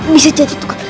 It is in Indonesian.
bisa jadi itu kan